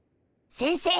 先生。